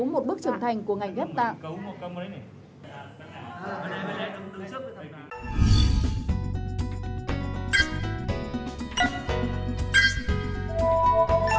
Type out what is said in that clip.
một bước trưởng thành của ngành ghép tạng